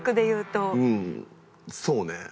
うんそうね。